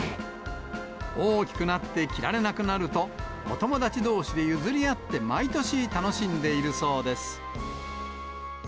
大きくなって着られなくなると、お友達どうしで譲り合って、毎年、楽しんでいるそうです。